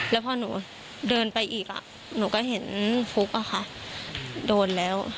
แล้วพอหนูเดินไปอีกหนูก็เห็นฟุ๊กอะค่ะโดนแล้ว